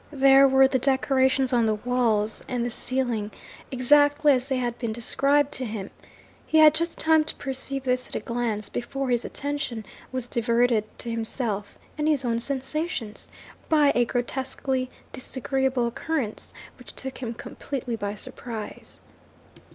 There were the decorations on the walls and the ceiling, exactly as they had been described to him! He had just time to perceive this at a glance, before his attention was diverted to himself and his own sensations, by a grotesquely disagreeable occurrence which took him completely by surprise.